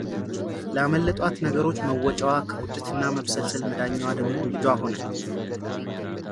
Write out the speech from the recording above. ላመለጧት ነገሮች መወጫዋ ከቁጭትና መብሰልሰል መዳኛዋ ደግሞ ልጇ ሆነ።